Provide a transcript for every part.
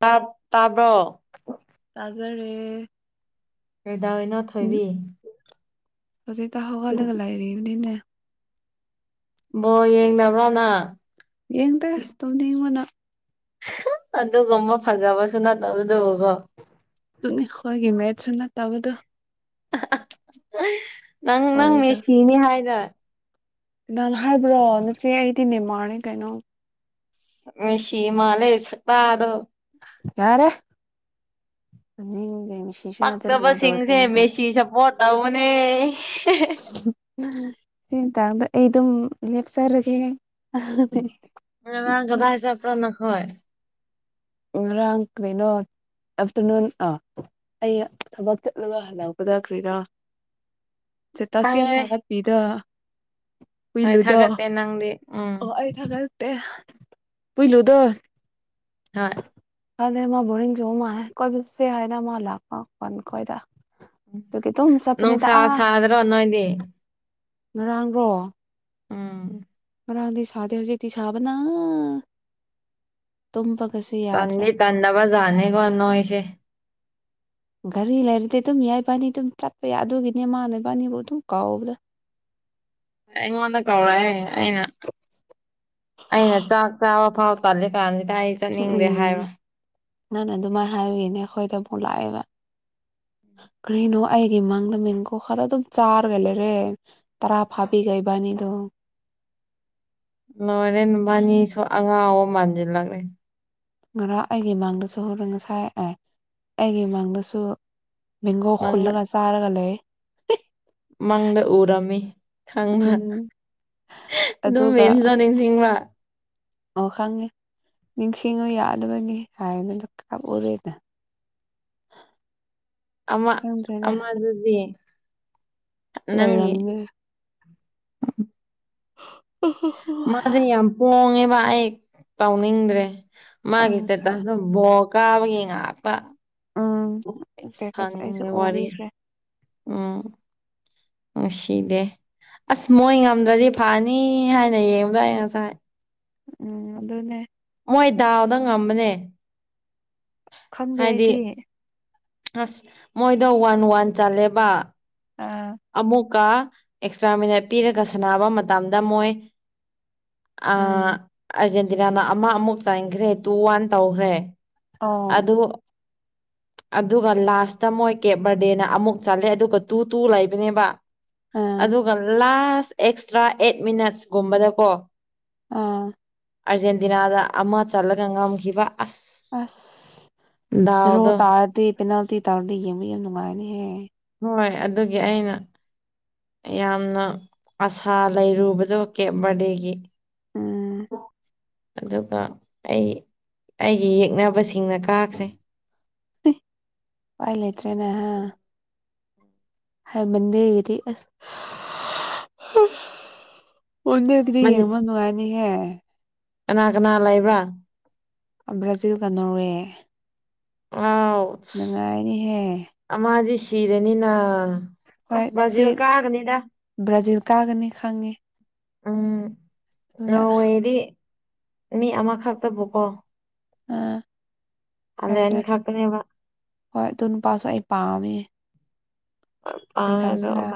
ꯇꯞ ꯇꯥꯗꯣ ꯇꯖꯔꯦ ꯀꯩꯗꯥꯏꯩꯅ ꯊꯣꯏꯕꯤ ꯍꯧꯖꯤ ꯇꯍꯒꯂꯒ ꯂꯥꯏꯔꯤꯅꯤꯅꯦ ꯕꯣ ꯌꯦꯡ ꯅꯕ꯭ꯔꯥꯅ ꯌꯦꯡꯗ ꯇꯧꯅꯤꯉꯅ ꯑꯗꯨꯒꯨꯝꯕ ꯐꯖꯕꯁꯨ ꯅꯠꯇꯧꯗꯀꯣ ꯍꯣꯏꯒꯤꯦ ꯃꯦꯠꯁꯅ ꯇꯥꯕꯗ ꯅꯪ ꯅꯪ ꯃꯦꯁꯤꯅꯤ ꯍꯥꯏꯅ ꯏꯅ ꯍꯥꯏꯕ꯭ꯔꯣ ꯅꯆꯦ ꯑꯩꯗꯤ ꯅꯦꯝꯃꯔꯅꯤ ꯀꯩꯅꯣ ꯃꯁꯤꯤꯃ ꯂꯩ ꯁꯇꯥ ꯑꯗꯣ ꯌꯥꯔꯦ ꯃꯦꯁꯤꯁꯨ ꯅꯠꯇꯦ ꯔꯣꯅꯥꯜꯗꯣꯁꯨ ꯄꯛꯇꯕꯁꯤꯡꯁꯦ ꯅꯠꯇꯦ ꯦꯁꯤ ꯁꯞꯄꯣꯔꯠ ꯇꯧꯅꯦ ꯇꯗ ꯑꯩ ꯑꯗꯨꯝ ꯅꯦꯞꯁꯥꯔꯒꯦ ꯉ ꯗꯥ ꯍꯖꯥꯕ ꯄꯨ ꯅꯅꯥꯈꯣꯏ ꯎ ꯔꯪ ꯀꯂꯤꯅꯣ ꯑꯥꯞꯐꯇꯔꯅꯨꯟ ꯑꯥ ꯑꯩ ꯊꯕꯛ ꯆꯠꯂꯒ ꯍꯜꯂꯛꯄꯊꯈ꯭ꯔꯤꯔꯣ ꯁꯤ ꯇꯁ ꯑꯃ ꯈꯪꯉꯦ ꯊꯥꯒꯠꯄꯤꯤꯗ ꯍꯣꯏ ꯄꯂꯨꯗ ꯊꯥꯒꯠꯇꯦ ꯅꯪꯗꯤ ꯎꯝ ꯑꯣ ꯑꯩ ꯊꯒ ꯄꯂꯨꯗ ꯍꯥꯣꯏ ꯀꯗ ꯣꯔꯤꯡꯁꯨ ꯃꯥꯅꯦ ꯀꯣꯏꯦ ꯍꯥꯏ ꯃꯥ ꯂꯥꯛ ꯀꯣꯏꯗ ꯑꯗꯨ ꯈꯤꯇꯣ ꯆꯠꯄꯅꯦꯗ ꯅꯨꯡꯁꯥ ꯑꯥ ꯁꯥꯗ꯭ꯔꯣ ꯅꯣꯏꯗꯤ ꯉꯔꯥꯡꯕ꯭ꯔꯣ ꯎꯝ ꯃꯔꯔꯥꯡꯗꯤ ꯁꯥꯗ ꯍꯧꯖꯤꯦ ꯊꯤ ꯁꯥꯕꯅ ꯇꯨꯝ ꯇꯥꯟꯗꯒꯤ ꯇꯥꯟꯗ ꯄ ꯦ ꯀꯅꯣꯁꯦ ꯒꯥꯔꯤ ꯂꯩꯔꯗꯤ ꯑꯗꯨꯝ ꯌꯥꯏꯕꯥꯅꯤ ꯑꯗꯨꯝ ꯆꯠꯄ ꯌꯥꯏ ꯑꯗꯨꯒꯤꯅꯦꯃꯅ ꯏꯕꯥꯅꯤꯕꯨ ꯑꯗꯨꯝ ꯀꯥꯎꯕ꯭ꯔ [unintelligible] ꯑꯩꯉꯣꯟꯗ ꯀꯧꯔꯛꯑꯦ ꯑꯩꯅ ꯑꯩꯅ ꯆꯥꯛ ꯆꯥꯕ ꯐꯥꯎ ꯀꯦ ꯀ ꯎꯝ ꯎꯝ ꯅꯪꯅ ꯑꯗꯨꯃꯥꯏꯅ ꯍꯥꯏꯔꯨꯏꯅꯦ ꯑꯩꯈꯣꯏꯗ ꯑꯃꯨꯛ ꯂꯥꯛꯑꯦꯕ ꯎꯝ ꯀꯔꯤꯅꯣ ꯑꯩꯒꯤ ꯃꯥꯡꯗ ꯃꯦꯡꯒꯣ ꯈꯔ ꯑꯗꯨꯝ ꯆꯥꯔꯒ ꯂꯩꯔꯦ ꯇꯔꯥ ꯐꯥꯕꯤꯈꯩꯕꯅꯤꯅ ꯗꯣ ꯂꯣꯏꯔꯦꯟ ꯅꯨ ꯃꯥꯅꯤꯁꯨ ꯑꯉꯥꯡ ꯑꯣ ꯃꯥꯟꯁꯤꯜꯂꯛꯂꯦ ꯉꯔꯥꯡ ꯑꯩꯒꯤ ꯃꯃꯥꯡꯗꯁꯨ ꯍꯔ ꯉꯁꯥꯏꯑ ꯑꯩꯒꯤ ꯃꯥꯡꯗꯁꯨ ꯃꯒꯣ ꯃꯪꯗ ꯐꯨꯂꯒ ꯆꯔꯒ ꯂꯩꯦ ꯃꯪꯗ ꯎꯔꯝꯃꯤ ꯈꯪꯕ꯭ꯔꯥ ꯎꯝ ꯑꯗꯨꯝ ꯑꯗꯨꯒ ꯃꯦꯝꯁꯤꯗ ꯅꯤꯡꯁꯤꯡꯕ꯭ꯔ ꯑꯣ ꯈꯪꯉꯦ ꯅꯤꯡꯁꯤꯡꯉꯨ ꯌꯥꯗꯕꯅꯤ ꯍꯥꯏꯅꯗ ꯀꯥꯞꯎꯔꯦꯗ ꯑꯃ ꯈꯪꯗ꯭ꯔꯦꯗ ꯑꯃ ꯑꯗꯨꯗꯤ ꯂꯩꯔꯝꯅꯦ ꯎꯝ ꯃꯥꯁꯦ ꯌꯥꯝ ꯄꯣꯡꯉꯦꯕ ꯑꯩ ꯇꯧꯅꯤꯡꯗ꯭ꯔꯦ ꯃꯥꯒꯤꯁ ꯇ ꯣꯡꯀꯥꯕ ꯏꯉ ꯎꯝ ꯏꯁꯇꯦꯇꯁ ꯑꯩꯁꯨ ꯁꯅꯤ ꯋꯥꯔꯤꯦ ꯎꯕꯤꯈ꯭ꯔꯦ ꯎꯝ ꯉꯅꯨꯡꯁꯤꯗꯤꯦ ꯑꯁ ꯃꯣꯏ ꯉꯝꯗ꯭ꯔꯗꯤ ꯐꯅꯤ ꯍꯥꯏꯅ ꯌꯦꯡꯕꯗꯏ ꯉꯁꯥꯏ ꯎꯝ ꯑꯗꯨꯗꯅꯦꯦ ꯃꯣꯏ ꯗꯥꯎꯗ ꯉꯝꯕꯅꯦ ꯈꯪꯗꯦ ꯍꯥꯏꯗꯤ ꯑꯩꯗꯤ ꯑꯁ ꯃꯣꯏꯗ ꯋꯥꯟ ꯋꯥꯟ ꯆꯜꯂꯦꯕ ꯑꯥ ꯑꯃꯨꯛꯀ ꯑꯦꯛꯁꯇ꯭ꯔꯥ ꯃꯤꯅꯠ ꯄꯤꯔꯒ ꯁꯥꯟꯅꯕ ꯃꯇꯝꯗ ꯃꯣꯏ ꯎꯝ ꯑꯥꯔꯖꯦꯟꯇꯤꯅꯥꯅ ꯑꯃ ꯑꯃꯨꯛ ꯆꯥꯏꯈ꯭ꯔꯦ ꯇꯨ ꯋꯥꯟ ꯇꯧꯈ꯭ꯔꯦ ꯑꯣ ꯑꯗꯣ ꯑꯗꯨꯒ ꯂꯥꯁꯇ ꯃꯣꯏ ꯀꯦꯞ ꯕꯔꯗꯦꯅ ꯑꯃꯨꯛ ꯆꯠꯂꯦ ꯑꯗꯨꯒ ꯇꯨ ꯇꯨ ꯂꯩꯕꯅꯦꯕ ꯑꯥ ꯑꯗꯨꯒ ꯂꯥꯁ ꯑꯦꯛꯁꯇ꯭ꯔꯥ ꯑꯦꯠ ꯃꯤꯅꯠꯁꯀꯨꯝꯕꯗꯀꯣ ꯑꯥ ꯑꯥꯔꯖꯦꯟꯇꯤꯅꯥꯗ ꯑꯃ ꯆꯠꯂꯒ ꯉꯝꯈꯤꯕ ꯑꯁ ꯑꯁ ꯗ꯭ꯔꯣ ꯗꯥꯎꯗꯣ ꯇꯥꯔꯗꯤ ꯄꯦꯅꯥꯜꯇꯤ ꯇꯥꯔꯗꯤ ꯌꯦꯡꯕ ꯌꯥꯝ ꯅꯨꯡꯉꯥꯏꯅꯦꯍꯦ ꯍꯣꯏ ꯑꯗꯨꯒꯤ ꯑꯩꯅ ꯌꯥꯝꯅ ꯑꯁꯥ ꯂꯩꯔꯨꯕꯗꯣ ꯀꯦ ꯕꯔꯗꯦꯒꯤ ꯎꯝ ꯑꯗꯨꯒ ꯑꯩ ꯑꯩꯒꯤ ꯌꯦꯛꯅꯕꯁꯤ ꯆꯤꯡꯅ ꯀꯥꯈ꯭ꯔꯦ ꯎꯄꯥꯏ ꯍꯥꯏꯩꯃꯗꯤꯔꯤ ꯑ ꯑꯣꯅ ꯑꯗꯨꯔꯤ ꯃꯟ ꯌꯦꯡꯃꯅꯅꯨꯡꯉꯥꯏꯅꯤ ꯍꯥꯏ ꯀꯅꯥ ꯀꯅꯥ ꯂꯩꯕ꯭ꯔꯥ ꯕ꯭ꯔꯥꯖꯤꯜꯒ ꯅꯣꯔꯋꯦ ꯑꯥꯎ ꯅꯨꯡꯉꯥꯏꯅꯤꯍꯦ ꯑꯃꯗꯤꯗꯤ ꯁꯤꯔꯅꯤꯅ ꯑꯁ ꯍꯣꯏ ꯃꯥꯖꯤ ꯁꯤ ꯀꯥꯒꯅꯤꯗ ꯕ꯭ꯔꯥꯖꯤꯜ ꯀꯥꯒꯅꯤ ꯈꯥꯡꯉꯦ ꯎꯝ ꯅ ꯑꯣꯏꯦꯗꯤ ꯃꯤ ꯑꯃꯈꯛꯇꯕꯨꯀꯣ ꯑꯥ ꯍꯂꯦꯟ ꯌꯥꯁꯤꯔ ꯈꯛꯇꯅꯦꯕ ꯍꯣꯏ ꯑꯗꯨ ꯅꯨꯄꯥꯁꯨ ꯑꯩ ꯄꯥꯝꯃꯦ ꯀꯔꯤ ꯇꯧꯁꯤꯔꯥ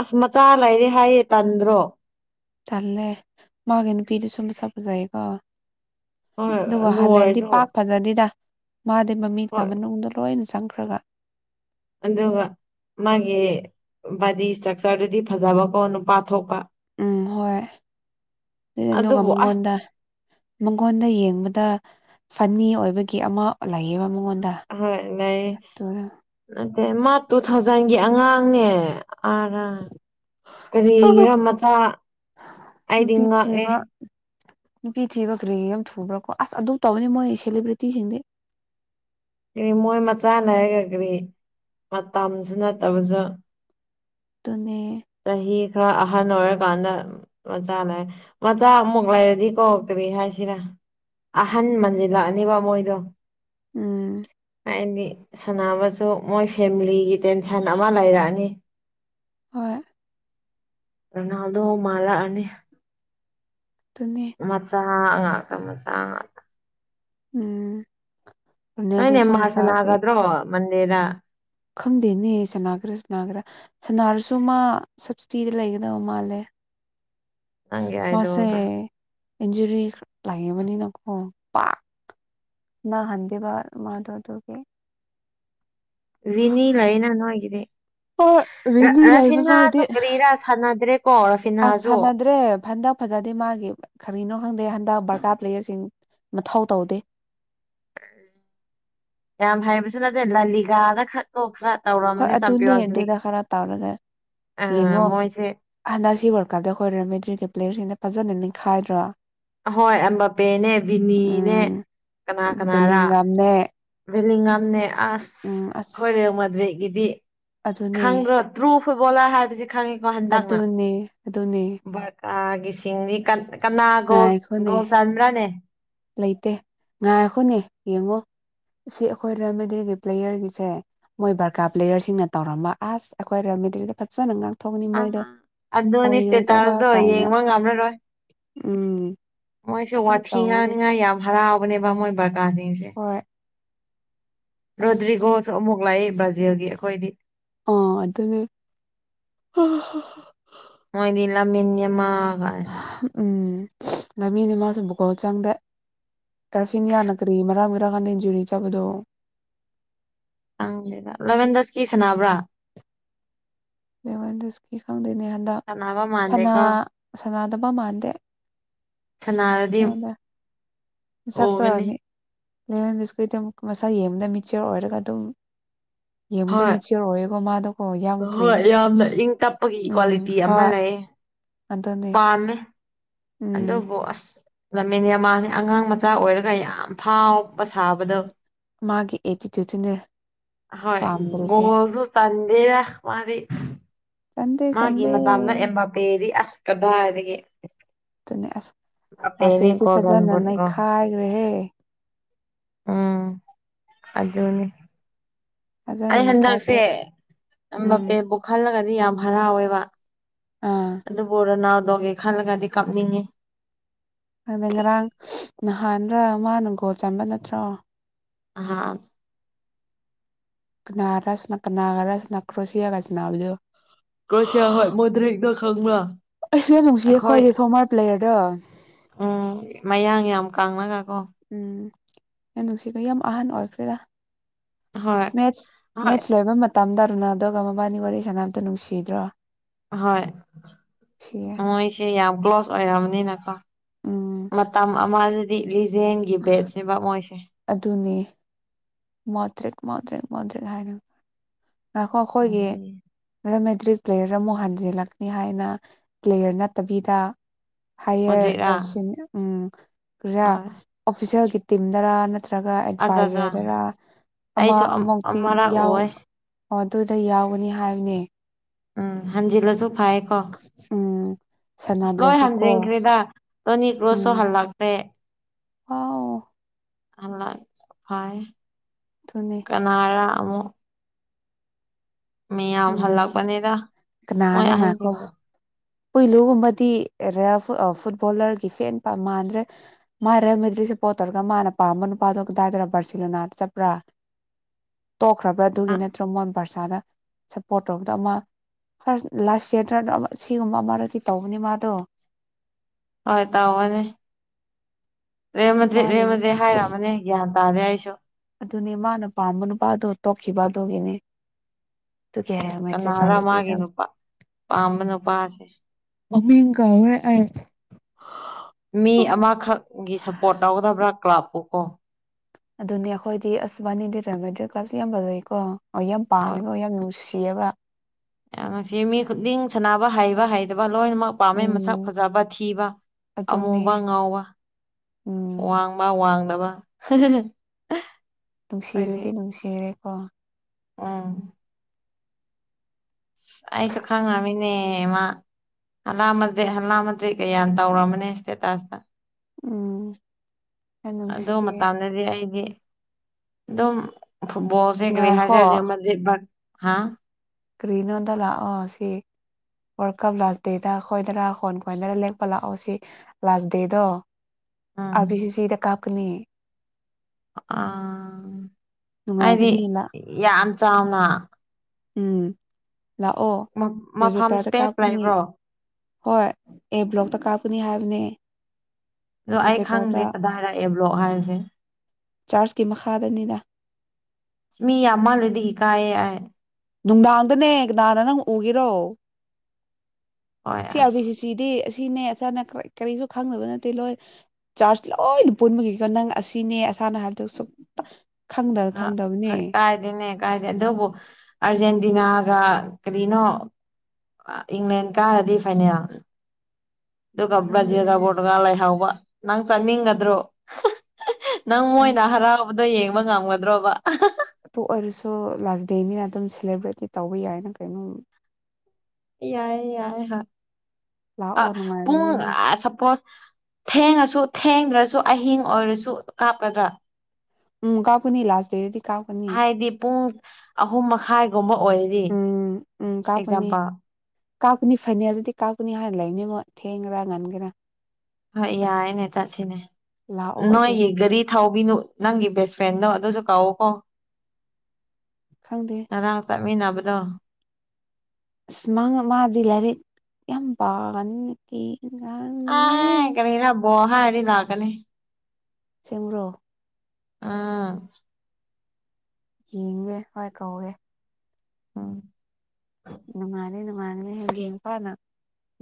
ꯑꯁ ꯃꯆꯥ ꯂꯩꯔꯦ ꯍꯥꯏꯌꯦ ꯇꯟꯗ꯭ꯔꯣ ꯇꯜꯂꯦ ꯃꯥꯒꯤ ꯅꯨꯄꯤꯗꯨꯁꯨ ꯃꯁꯛ ꯐꯖꯩꯌꯦꯀꯣ ꯍꯣꯏ ꯑꯗꯨꯒ ꯑꯗꯨ ꯍꯜꯂꯦꯟꯗꯤ ꯑꯣꯏꯔꯁꯨ ꯄꯥꯛ ꯐꯖꯗꯦꯗ ꯃꯥꯗꯤ ꯃꯃꯤꯠꯀ ꯍꯣꯏ ꯃꯅꯨꯡꯗ ꯂꯣꯏꯅ ꯆ ꯆꯪꯈ꯭ꯔꯒ ꯑꯗꯨꯒ ꯃꯥꯒꯤ ꯕꯥꯗꯤ ꯏꯁꯇ꯭ꯔꯛꯆꯔꯗꯨꯗꯤ ꯐꯖꯕꯀꯣ ꯅꯨꯄꯥ ꯊꯣꯛꯄ ꯎꯝ ꯍꯣꯏ ꯗꯨꯗ ꯑꯗꯨꯒ ꯑꯗꯨꯕꯨ ꯑꯁ ꯃꯉꯣꯟꯗ ꯃꯪꯉꯣꯟꯗ ꯌꯦꯡꯕꯗ ꯐꯅꯤ ꯑꯣꯏꯕꯒꯤ ꯑꯃ ꯂꯩꯌꯦꯕ ꯃꯉꯣꯟꯗ ꯍꯣꯏ ꯂꯩ ꯑꯗꯨꯅ ꯅꯠꯇꯦ ꯃꯥ ꯇꯨ ꯊꯥꯎꯖꯟꯒꯤ ꯑꯉꯥꯡꯅꯦ ꯑꯥ ꯔ ꯀꯔꯤꯒꯤꯔ ꯃꯆꯥ ꯑꯩꯗꯤ ꯅꯨꯄꯤ ꯉꯛꯑꯦ ꯊꯤꯕ ꯅꯨꯄꯤ ꯊꯤꯕ ꯀ꯭ꯔꯤ ꯌꯥꯝ ꯊꯨꯕ꯭ꯔꯥꯀꯣ ꯑꯁ ꯑꯗꯨꯝ ꯇꯧꯕꯅꯤ ꯃꯣꯏ ꯁꯦꯂꯤꯕ꯭ꯔꯤꯇꯤꯁꯤꯡꯗꯤ ꯀꯔꯤ ꯃꯣꯏ ꯃꯆꯥꯅꯔꯒ ꯀꯔꯤ ꯃꯇꯝꯁꯨ ꯅꯠꯇꯕꯗ ꯑꯗꯨꯅꯦ ꯆꯍꯤ ꯈꯔ ꯑꯍꯟ ꯑꯣꯏꯔꯀꯥꯟꯗ ꯃꯆꯥ ꯂꯩ ꯃꯆꯥ ꯑꯃꯨꯛ ꯂꯩꯔꯗꯤ ꯀꯣ ꯀꯔꯤ ꯍꯥꯏꯁꯤꯔꯥ ꯑꯍꯟ ꯃꯟꯖꯤꯜꯂꯛꯑꯅꯤꯕ ꯃꯣꯏꯗꯣ ꯎꯝ ꯍꯥꯏꯗꯤ ꯁꯥꯟꯅꯕꯁꯨ ꯃꯣꯏ ꯐꯦꯃꯤꯂꯤꯒꯤ ꯇꯦꯟꯁꯟ ꯑꯃ ꯂꯩꯔꯛꯑꯅꯤ ꯍꯣꯏ ꯔꯣꯅꯥꯜꯗꯣ ꯃꯥꯜꯂꯛꯑꯅꯤ ꯑꯗꯨꯅꯦ ꯃꯆꯥꯥ ꯉꯥꯛꯇ ꯃꯆꯥꯥ ꯉꯥꯛꯇ ꯎꯝ ꯑꯩꯅꯦ ꯔꯣꯅꯦꯜꯗꯣꯁꯨ ꯃꯥꯁ ꯃꯆꯥꯗꯤ ꯁꯥꯟꯅꯒꯗ꯭ꯔꯣ ꯃꯟꯗꯦꯗ ꯈꯪꯗꯦꯅꯦ ꯁꯥꯟꯅꯒ꯭ꯔ ꯁꯥꯟꯅꯒꯦꯔꯥ ꯁꯥꯅꯔꯁꯨ ꯃꯥ ꯁꯕꯁꯇꯤꯗ ꯂꯩꯒꯗꯕ ꯃꯥꯜꯂꯦ [inaudible] ꯅꯪꯒꯤ ꯃꯥꯁꯦ ꯑꯥꯏꯗꯣꯜꯗꯣ ꯏꯟꯖꯨꯔꯤ ꯂꯩꯕꯅꯤꯅꯀꯣ ꯄꯥꯛ ꯁ꯭ꯅꯥꯍꯟꯗꯦꯕꯥ ꯃꯥꯗꯣ ꯑꯗꯨꯒꯤ ꯚꯤ ꯅꯤ ꯂꯩꯌꯦꯅ ꯅꯣꯏꯒꯤꯗꯤ ꯍꯣꯏ ꯔ ꯔꯦꯗꯤ ꯂꯩꯕ ꯐꯥꯎꯗꯤ ꯔꯥꯐꯤꯟꯍꯥꯁꯨ ꯀꯔꯤꯔꯥ ꯁꯥꯟꯅꯗ꯭ꯔꯦ ꯀꯣ ꯑꯁ ꯔꯥꯐꯤꯟꯍꯥꯖꯨ ꯁꯥꯟꯅꯗ꯭ꯔꯦ ꯍꯟꯗꯛ ꯐꯖꯗꯦ ꯃꯥꯒꯤ ꯀꯔꯤꯅꯣ ꯈꯪꯗꯦ ꯍꯟꯗꯥꯛ ꯕꯥꯔꯀꯥ ꯄ꯭ꯂꯦꯌꯔꯁꯤꯡ ꯃꯊꯧ ꯇꯧꯗꯦ ꯌꯥꯝ ꯍꯩꯕꯁꯨ ꯅꯠꯇꯦ ꯂꯥꯂꯤꯒꯥꯥꯗꯈꯛ ꯀꯣ ꯈ꯭ꯔ ꯍꯣꯏ ꯑꯗꯨꯅꯦ ꯑꯗꯨꯗ ꯈꯔ ꯇꯧꯔꯒ ꯑ ꯌꯦꯡꯉꯣ ꯃꯣꯏꯁꯦ ꯍꯟꯗꯛꯁꯤ ꯋꯥꯔꯜ ꯀꯞꯇ ꯈꯣꯏ ꯔꯦꯜꯃꯦꯗ꯭ꯔꯤꯠꯀꯤ ꯄ꯭ꯂꯦꯌꯔꯁꯤꯡꯅ ꯐꯖꯅ ꯅꯤꯛꯈꯥꯏꯗ꯭ꯔꯣ ꯑꯍꯣꯏ ꯑꯝꯕꯥꯞꯄꯦꯅꯦ ꯚꯤꯅꯤꯅꯦ ꯎꯝ ꯀꯅꯥ ꯀꯅꯥꯔꯥ ꯕꯦꯂꯤꯡꯒꯝꯅꯦ ꯚꯦꯂꯤꯉꯝꯅꯦ ꯑꯁ ꯎꯝ ꯈꯣꯏ ꯑꯁ ꯔꯦꯜꯃꯗ꯭ꯔꯤꯠꯒꯤꯗꯤ ꯑꯗꯨꯅꯦ ꯈꯪꯗ꯭ꯔꯣ ꯇ꯭ꯔꯨꯐ ꯐꯨꯠꯕꯣꯂꯔ ꯍꯥꯏꯕꯁꯤ ꯈꯪꯉꯤꯀꯣ ꯍꯟꯗꯛꯅ ꯑꯗꯨꯅꯦ ꯑꯗꯨꯅꯦ ꯕꯥꯔꯀꯥꯒꯤꯁꯤꯡꯗꯤ ꯀꯟ ꯀꯅꯥ ꯒꯣꯜ ꯉꯥꯏꯈꯣꯅꯦ ꯒꯣꯜ ꯆꯟꯕ꯭ꯔꯥꯅꯦ ꯂꯩꯇꯦ ꯉꯥꯏꯈꯣꯅꯦ ꯌꯦꯡꯉꯣ ꯁꯤ ꯑꯩꯈꯣꯏ ꯔꯦꯜꯃꯦꯗ꯭ꯔꯤꯠꯒꯤ ꯄ꯭ꯂꯦꯌꯔꯒꯤꯁꯦ ꯃꯣꯏ ꯕꯥꯔꯀꯥ ꯎꯝ. ꯄ꯭ꯂꯦꯌꯔꯁꯤꯡꯅ ꯇꯧꯔꯝꯕ ꯑꯁ ꯑꯩꯈꯣꯏ ꯔꯦꯜꯃꯦꯗ꯭ꯔꯤꯠꯀꯤꯗꯤ ꯐꯖꯅ ꯉꯥꯡ ꯑ ꯑꯗꯨꯅꯤ ꯁ꯭ꯇꯦꯇꯁꯇꯣ ꯀꯥꯏꯅ ꯌꯦꯡꯕ ꯉꯝꯂꯔꯣꯏ ꯎꯝ ꯃꯣꯏꯁꯦ ꯑꯗꯨꯝ ꯋꯥꯊꯤ ꯇꯧꯕꯅꯦ ꯉꯥꯡꯅꯤꯡꯉꯥꯏ ꯌꯥꯝ ꯍꯔꯥꯎꯕꯅꯦꯕ ꯃꯣꯏ ꯕꯥꯔꯀꯥꯁꯤꯡꯁꯦ ꯍꯣꯏ ꯑꯁ ꯔꯣꯗ꯭ꯔꯤꯒꯣꯁꯨ ꯑꯃꯨꯛ ꯂꯩ ꯕ꯭ꯔꯥꯖꯤꯜꯒꯤ ꯑꯩꯈꯣꯏꯗꯤ ꯑ ꯑꯗꯨꯅꯤ ꯂꯥꯃꯤꯟ ꯌꯃꯥꯜ ꯎꯝ ꯂꯃꯤꯟ ꯌꯃꯥꯜꯁꯨ ꯒꯣꯜ ꯆꯟꯗꯦ ꯀ꯭ꯔꯥꯐꯤꯟꯌꯥꯅ ꯀꯔꯤ ꯃꯔꯝꯒꯤꯔ ꯈꯪꯗꯦ ꯏꯟꯖꯨꯔꯤ ꯆꯥꯕꯗꯣ ꯈꯪꯗꯦꯗ ꯂꯕꯦꯟꯗꯁꯀꯤ ꯁꯥꯅꯕ꯭ꯔꯥ ꯂꯤꯋꯥꯟꯗꯁꯀꯤ ꯈꯪꯗꯦꯅꯦ ꯍꯟꯗꯛ ꯁꯥꯟꯅꯕ ꯁꯥꯅ ꯃꯥꯟꯗꯦꯀꯣ ꯁꯅꯥꯗꯕ ꯃꯥꯟꯗꯦ ꯁꯅꯥꯔꯗꯤ ꯁꯛꯇꯛꯇ ꯑꯃꯅꯤꯅꯤ ꯂꯗꯤꯁꯀꯤꯗꯤꯨꯛ ꯃꯁꯥꯏꯒꯤ ꯌꯦꯡ ꯑꯃꯗ ꯃꯤꯛꯆꯣꯔ ꯑꯣꯏꯔꯒ ꯑꯗꯨꯝ ꯌꯦꯡꯉꯗ ꯍꯣꯏ ꯃꯤꯆꯌꯣꯔ ꯑꯣꯏꯦꯀꯣ ꯃꯥꯗ ꯀꯣ ꯍꯣꯏ ꯌꯥꯝꯈ꯭ꯔꯤꯅ ꯌꯥꯝꯅ ꯏꯪ ꯇꯞꯄꯒꯤ ꯎꯝ ꯀ꯭ꯋꯥꯂꯤꯇꯤ ꯑꯃ ꯍꯣꯏ ꯂꯩꯌꯦ ꯑꯗꯨꯅꯦ ꯄꯥꯝꯃꯦ ꯎꯝ ꯑꯗꯨꯕꯨ ꯑꯁ ꯉꯃꯦꯅꯦ ꯃꯥꯅꯦ ꯑꯉꯥꯡ ꯃꯆꯥ ꯑꯣꯏꯔꯒ ꯌꯥꯝ ꯐꯥꯎꯕ ꯁꯥꯕꯗꯣ ꯃꯥꯒꯤ ꯑꯦꯇꯤꯇ꯭ꯌꯨꯠꯅ ꯄ ꯣꯁꯨꯨ ꯆꯟꯗ ꯃꯥꯔꯤ ꯆꯟꯗꯦ ꯃꯥꯒꯤ ꯆꯟꯗꯦ ꯃꯇꯥꯡꯗ ꯑꯕꯥꯄꯦꯗꯤ ꯑꯁ ꯀꯗꯥꯏꯗꯒꯤ ꯅꯤ ꯑꯄꯦꯅꯤ ꯑꯄꯦꯗꯤ ꯒꯣꯜꯗꯟ ꯐꯖꯅꯅ ꯕꯨꯠꯀꯣ ꯈꯥꯏꯒ꯭ꯔꯦꯍꯦ ꯎꯝ ꯑꯖꯅꯤ ꯐꯖꯅ ꯑꯩ ꯅꯩꯈꯥꯏꯈ꯭ꯔꯦ ꯎꯝ ꯍꯟꯗꯛꯁꯦꯝꯕꯄꯦꯕꯨ ꯈꯜꯂꯒ ꯌꯥꯝ ꯍꯔꯥꯎꯋꯦꯕ ꯑꯥ ꯑꯗꯨꯕꯨꯅꯥꯎ ꯂꯣꯒꯦ ꯈꯜꯂꯒꯗꯤ ꯀꯥꯞꯅꯤꯡꯉꯦ ꯑꯗꯩ ꯉꯔꯥꯡ ꯅꯍꯥꯟꯗ ꯃꯥꯅ ꯒꯣꯜ ꯆꯟꯝꯕ ꯅꯠꯇ꯭ꯔꯣ ꯍꯥꯥ ꯀꯅꯥꯔ ꯔꯁꯅ ꯀꯅꯥ ꯔꯁꯅꯥ ꯀ꯭ꯔꯣꯁꯤꯌꯥꯒ ꯆꯅꯥꯕꯗꯣ ꯀ꯭ꯔꯣꯁꯤꯌꯥ ꯍꯣꯏ ꯃꯣꯏꯗꯔꯤꯛꯇ ꯈꯪꯕ꯭ꯔꯥ ꯑꯩꯁ ꯑꯃꯨꯛꯁꯤ ꯑꯩꯈꯣꯏ ꯑꯩꯈꯣꯏꯒꯤ ꯐꯣꯔꯃꯔꯞ ꯂꯩꯔꯔꯣ ꯎꯝ ꯃꯌꯥꯡ ꯌꯥꯝ ꯀ ꯀꯥꯡꯅꯒ ꯎꯝ ꯅ ꯅꯨꯡꯁꯤꯈ ꯌꯥꯝ ꯑꯍꯥꯟ ꯑꯣꯏꯈ꯭ꯔꯦꯔ ꯍꯣꯏ ꯃꯦꯠ ꯍꯣꯏ ꯃꯦꯠꯁ ꯂꯩꯕ ꯇꯝꯊꯔꯨꯅ ꯑꯗꯨꯒ ꯃꯕꯥꯅꯤ ꯋꯥꯔꯤ ꯁꯅꯕꯝꯇꯣ ꯅꯨꯡꯁꯤꯗ꯭ꯔꯣ ꯍꯣꯏ ꯅꯨꯡꯁꯤꯌꯦ ꯃꯣꯏꯁꯦ ꯌꯥꯝ ꯀ꯭ꯂꯣꯁ ꯑꯣꯏꯔꯕꯅꯤꯅꯀꯣ ꯎꯝ ꯃꯇꯝ ꯑꯃꯗꯗꯤ ꯂꯤꯖꯦꯟꯒꯤ ꯕꯦꯠꯁꯤꯕ ꯃꯣꯏꯁꯦ ꯃꯇ꯭ꯔꯛ ꯃꯇ꯭꯭ꯔꯛ ꯃꯇ꯭ꯔꯛ ꯍꯥꯏꯅ ꯉꯈꯣ ꯑꯩꯈꯣꯏꯒꯤ ꯑꯗꯨꯃꯦ ꯇ꯭ꯔꯤꯛ ꯄ꯭ꯂꯦꯌꯔ ꯑꯃꯨꯛ ꯍꯟꯖꯤꯜꯂꯛꯅꯤ ꯍꯥꯏꯅ ꯄ꯭ꯂꯦꯌꯔ ꯅꯠꯇꯕꯤꯗ ꯍꯥꯏꯌꯔ ꯃꯣꯗ꯭ꯔꯤꯛꯔꯥ ꯎꯝꯥ ꯍꯣꯏ ꯑꯣꯐꯤꯁꯦꯜꯒꯤ ꯇꯤꯝꯗꯔ ꯅꯠꯇ꯭ꯔꯒ ꯑꯠꯆꯥ ꯑꯠꯆꯥ ꯑꯦꯗꯚꯥꯏꯖꯔꯗꯔꯥ ꯑꯃ ꯑꯩꯁꯨ ꯃꯨꯛꯇꯤ ꯑꯃꯔꯛ ꯌꯥꯎ ꯎꯋꯦ ꯑꯣ ꯑꯗꯨꯗ ꯌꯥꯎꯒꯅꯤ ꯍꯥꯏꯕꯅꯦ ꯎꯝ ꯍꯟꯖꯤꯜꯂꯁꯨ ꯐꯥꯏ ꯀꯣ ꯎꯝ ꯑꯁ ꯂꯣꯏ ꯁꯥꯟꯅꯗ꯭ꯔꯁꯨ ꯀꯣ ꯍꯟꯖꯤꯟꯈ꯭ꯦꯗ ꯇꯣꯅꯤ ꯀ꯭ꯔꯨꯁꯁꯨ ꯍꯜꯂꯛꯇ꯭ꯔꯦ ꯑꯥꯎ ꯐꯩ ꯑꯗꯨꯅꯦ ꯀꯅꯥꯔ ꯑꯃꯨꯛ ꯃꯤꯌꯥꯝ ꯈꯪꯗꯅꯤ ꯍꯜꯂꯛꯄꯅꯤꯗ ꯍꯣꯏ ꯑꯍꯟꯁꯤꯡꯁꯦ ꯄꯣꯏꯂꯨꯒꯨꯝꯕꯗꯤ ꯐꯨꯠꯕꯣꯂꯔꯒꯤ ꯐꯦꯟ ꯃꯥꯟꯗ꯭ꯔꯦ ꯃꯥꯔꯝ ꯑꯗꯨꯁꯦ ꯄꯣꯠꯇꯔꯒ ꯃꯥꯅ ꯄꯥꯝꯕ ꯅꯨꯄꯥꯗꯣꯗꯥꯏꯗꯔꯥ ꯕꯥꯔꯁꯤꯂꯣꯅꯥ ꯆꯠꯄ꯭ꯔꯥ [inaudible] ꯇꯣꯛꯈ꯭ꯔꯕ꯭ꯔꯥ ꯑꯗꯨꯒꯤ ꯅꯠꯇ꯭ꯔꯣ ꯃꯣꯏ ꯄ꯭ꯔꯁꯥꯗ ꯁꯞꯄꯣꯔꯠ ꯇꯧꯕꯗ ꯑꯃ ꯂꯗ꯭ꯔ ꯁꯤꯒꯨꯝꯕ ꯑꯃꯔꯗꯤ ꯇꯧꯕꯅꯤ ꯃꯥꯗꯣ ꯍꯣꯏ ꯇꯅꯦ ꯔꯦꯝꯃꯗ꯭ꯔꯦ ꯃꯥꯒꯤ ꯔꯦꯝꯃꯗ꯭ꯔꯦ ꯍꯥꯏꯔꯛꯑꯃꯅꯦ ꯒ꯭ꯌꯥꯟ ꯇꯥꯔꯦ ꯑꯩꯁꯨ ꯑꯗꯨꯅꯦ ꯃꯥꯅ ꯄꯥꯝꯕ ꯅꯨꯄꯥꯗꯣ ꯇꯣꯛꯈꯤꯕ ꯑꯗꯨꯒꯤꯅꯦ ꯃ ꯀꯅꯥꯔ ꯃꯥꯒꯤ ꯅꯨꯄꯥ ꯄꯥꯝꯕ ꯅꯨꯄꯥꯁꯦ ꯀꯋ ꯑ ꯃꯤ ꯀ꯭ꯂꯥꯄꯣꯛ ꯀꯣ ꯑꯗꯨꯅꯦ ꯑꯩꯈꯣꯏꯗꯤ ꯑꯁꯕꯥꯅꯤꯗꯤꯗ ꯃꯦꯗꯤꯦꯜ ꯀ꯭ꯂꯥꯁ ꯌꯥꯝꯕ ꯂꯩꯀꯣ ꯑꯣ ꯌꯥꯝ ꯍꯣꯏ ꯄꯥꯝꯃꯤꯅꯣ ꯌꯥꯝ ꯅꯨꯡꯁꯤ ꯁꯤꯕ ꯌꯥꯝ ꯉꯁꯤ ꯃꯤ ꯈꯨꯗꯤꯡ ꯁꯥꯟꯅꯕ ꯍꯥꯏꯕ ꯍꯥꯏꯩꯗꯕ ꯂꯣꯏꯅꯃꯛ ꯄꯥꯝꯃꯦ ꯃꯁꯛ ꯎꯝ ꯐꯖꯕ ꯊꯤꯕ ꯑꯗꯨꯅꯦ ꯑꯃꯨꯕ ꯉꯥꯎꯕ ꯎꯝ ꯋꯥꯡꯕ ꯋꯥꯡꯗꯕ ꯅꯨꯡꯁꯤꯔꯗꯤ ꯅꯨꯡꯁꯤꯔꯦꯀꯣ ꯑꯥ ꯑꯩꯁꯨ ꯈꯪꯉꯃꯤꯅꯦ ꯃꯥ ꯍꯜꯥꯃꯗꯤ ꯍꯜꯥꯃ ꯑꯩ ꯀꯌꯥ ꯇꯧꯔꯝꯝꯕꯅꯦ ꯏꯁꯇꯦꯇꯥꯁꯇ ꯎꯝ ꯌꯥꯝ ꯑꯣ ꯅꯨꯡꯁꯤꯌꯦ ꯃꯇꯗꯗꯤ ꯑꯩꯗꯤ ꯗꯝ ꯣꯁꯦ ꯉꯥꯏꯈꯣ ꯔꯔꯤꯍꯁ ꯃꯁꯖꯤꯗ ꯍꯥ ꯀ꯭ꯔꯔꯤꯟꯣꯗ ꯂ ꯑ ꯁꯤꯦ ꯋꯥꯔꯜ ꯀꯞ ꯂꯥꯁ ꯗꯦꯗ ꯑꯩꯈꯣꯏꯗꯅ ꯍꯣꯟ ꯀꯣꯏꯗꯅ ꯂꯦꯛꯄ ꯂꯥꯛꯑꯣ ꯁꯤ ꯂꯥꯁ ꯗꯦꯗꯣ ꯎꯝ ꯑꯥꯕꯤ ꯁꯤ ꯁꯤꯗ ꯀꯥꯞꯄꯅꯤ ꯑ ꯍꯥꯏꯗꯤ ꯅꯨꯡꯉꯥꯏꯒꯅꯤ ꯂꯥꯛ ꯌꯥꯝ ꯆꯥꯎꯅ ꯎꯝ ꯂꯥꯛꯑꯣ ꯃꯐꯝ ꯄ꯭ꯔꯣꯖꯦꯇꯥꯔꯗ ꯏꯁꯄꯦꯁ ꯀꯥꯞꯀꯅꯤꯌꯦ ꯂꯩꯕ꯭ꯔꯣ ꯍꯣꯏ ꯑꯦ ꯕ꯭ꯂꯣꯛꯇ ꯀꯥꯞꯀꯅꯤ ꯍꯥꯏꯕꯅꯦ ꯑꯗꯣ ꯑꯩ ꯈꯪꯗꯦ ꯄ꯭ꯔꯣꯖꯦꯛꯇꯔꯗ ꯀꯗꯥꯏ ꯍꯥꯏꯔꯛꯑꯦ ꯕ꯭ꯂꯣꯛ ꯍꯥꯏꯁꯦ ꯆꯥꯔꯖꯀꯤ ꯃꯈꯥꯗꯅꯤꯅ ꯗꯤ ꯀꯑ ꯅꯨꯡꯗꯥꯡꯗꯅꯦ ꯀꯅꯥꯅ ꯅꯪ ꯎꯒꯤꯔꯣ ꯍꯣꯏ ꯁꯤ ꯑꯔ ꯄꯕꯤ ꯑꯁ ꯁꯤ ꯁꯤꯗꯤ ꯑꯁꯤꯅꯦ ꯑꯥꯅ ꯀꯔꯤꯁꯨ ꯈꯪꯗꯕ ꯅꯠꯇꯦ ꯂꯣꯏ ꯆꯥꯔꯖ ꯂꯣꯏꯅ ꯄꯨꯟꯕꯒꯤꯀꯣ ꯅꯪ ꯑꯁꯤꯅꯦ ꯁꯅ ꯍꯥꯏꯗ ꯁꯄ ꯑ ꯀꯥꯏꯗꯦꯅꯦ ꯀꯥꯏꯗꯦ ꯗꯕꯨꯣ ꯑꯔꯖꯦꯟꯇꯤꯅꯥꯒ ꯀꯔꯤꯅꯣ ꯏꯪꯂꯦꯟ ꯀꯥꯔꯗꯤ ꯐꯥꯏꯅꯦꯜ ꯑꯗꯨꯒ ꯕ꯭ꯔꯖꯦꯗ ꯈꯪꯗꯦꯅꯦ ꯕꯣꯔꯒꯥ ꯂꯩꯥꯏꯍꯥꯎꯕ ꯅꯪ ꯆꯠꯅꯤꯡꯒꯗ꯭ꯔꯣ ꯅꯪ ꯈꯪ ꯃꯣꯏꯅ ꯍꯔꯥꯎꯕꯗꯣ ꯌꯦꯡꯕ ꯉꯝꯒꯗ꯭ꯔꯣꯕ ꯑꯗꯨꯇꯣ ꯑꯣꯏꯔꯁꯨ ꯂꯥꯁ ꯗꯦꯅꯤꯅ ꯑꯗꯨꯝ ꯁꯦꯂꯦꯕ꯭ꯔꯦꯠꯇꯤ ꯇꯧꯕ ꯌꯥꯏꯅ ꯀꯩꯅꯣ ꯌꯥꯏ ꯌꯥꯏ ꯍꯣꯏ ꯑ ꯂꯥꯛꯑꯣ ꯄꯨꯡ ꯅꯨꯡꯉꯥꯏꯒꯅꯤꯅ ꯁꯄꯣꯁ ꯊꯦꯡꯉꯁꯨ ꯊꯦꯡꯗ꯭ꯔꯁꯨ ꯑꯍꯤꯡ ꯑꯣꯏꯔꯁꯨ ꯀꯥꯞꯀꯗ꯭ꯔꯥ ꯎꯝ ꯀꯥꯄꯨ ꯏ ꯂꯥꯁꯗ ꯍꯥꯏꯗꯤ ꯄꯨꯡ ꯑꯍꯨꯝ ꯃꯈꯥꯏꯒꯨꯝꯕ ꯑꯣꯏꯔꯗꯤ ꯎꯝ ꯎꯝ ꯀꯥꯞꯄꯅꯤ ꯑꯦꯛꯖꯥꯝꯄꯜ ꯀꯥꯞꯄꯅꯤ ꯐꯅꯦꯜꯗꯗꯤ ꯀꯥꯞꯄꯅꯤ ꯍꯥꯟꯅ ꯂꯩꯕꯅꯤ ꯃꯛ ꯊꯦꯡꯒꯦꯔꯥ ꯉꯟꯒꯦꯔꯥ ꯍꯣꯏ ꯌꯥꯏꯅꯦ ꯆꯠꯁꯤꯅꯦ ꯂꯥꯛꯑꯣ ꯅꯣꯏꯒꯤ ꯑꯗꯨꯅꯤ ꯒꯥꯔꯤ ꯊꯥꯎꯕꯤꯅꯨ ꯅꯪꯒꯤ ꯕꯦꯁ ꯐ꯭ꯔꯦꯟꯗꯣ ꯑꯗꯨꯁꯨ ꯀꯥꯎꯎꯀꯣ ꯈꯪꯗꯦ ꯉꯔꯥꯡ ꯆꯠ ꯃꯟꯅꯕꯗ ꯑꯁ ꯃꯥ ꯃꯥꯗꯤ ꯂꯥꯏꯔꯤꯛ ꯌꯥꯝ ꯄꯥꯅ ꯀꯤ ꯑ ꯀꯔꯤꯔ ꯕꯣꯍꯥ ꯍꯥꯏꯗꯤ ꯂꯥꯛꯒꯅꯤ ꯆꯨꯝ꯭ꯔꯣ ꯑꯥ ꯌꯦꯡꯉꯦ ꯍꯣꯏ ꯀꯧꯋꯦ ꯑꯥ ꯅꯨꯡꯉꯥꯂꯦ ꯅꯨꯡꯉꯥꯦ ꯍꯌꯦ ꯌꯦꯡ ꯐꯥꯅ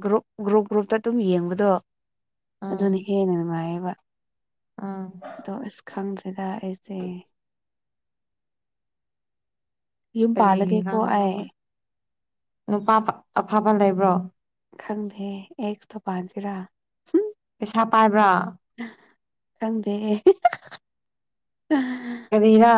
ꯒ꯭ꯔꯨꯞ ꯒ꯭ꯔꯨꯞ ꯒ꯭ꯔꯨꯞꯇ ꯑꯗꯨꯝ ꯌꯦꯡꯕꯗꯣ ꯎꯝ ꯑꯗꯨꯅ ꯍꯦꯟꯅ ꯅꯨꯡꯉꯥꯏꯌꯦꯕ ꯎꯝ ꯑꯗꯣ ꯑꯁ ꯈꯪꯗ꯭ꯔꯦꯗ ꯑꯩꯁꯦ ꯌꯨꯝ ꯀꯔꯤꯒꯤ ꯄꯥꯜꯂꯒꯦꯀꯣ ꯑꯩ ꯅꯨꯄꯥ ꯑꯐꯕ ꯂꯩꯕ꯭ꯔꯣ ꯈꯪꯗꯦ ꯑꯦꯁꯨꯣ ꯄꯖꯔꯥ ꯄꯩꯁꯥ ꯄꯥꯏꯕ꯭ꯔꯥ ꯈꯪꯗꯦ ꯑ ꯔꯤꯍ